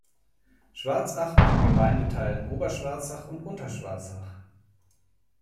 Schwarzach mit den Gemeindeteilen Oberschwarzach und Unterschwarzach.